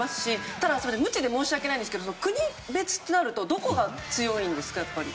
ただ、無知で申し訳ないんですけど国別となるとどこが強いんですか？